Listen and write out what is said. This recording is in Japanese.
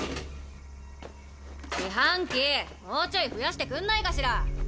自販機もうちょい増やしてくんないかしら！